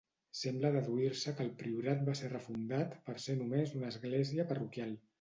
Sembla deduir-se que el priorat va ser refundat per ser només una església parroquial.